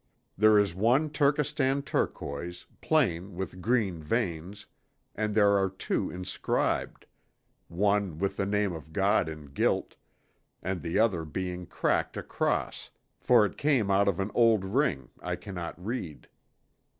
There is one Turkestan turquoise, plain with green veins, and there are two inscribed one with the name of God in gilt, and the other being cracked across, for it came out of an old ring, I cannot read.